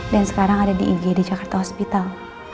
dan sekarang ada di ig di jakarta hospital